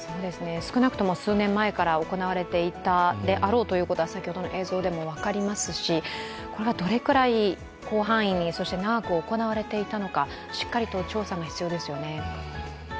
少なくとも数年前から行われていたであろうということは先ほどの映像からも分かりますし、これはどれくらい広範囲に、長く行われていたのかしっかりと調査が必要ですよね。